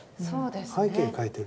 背景を描いている。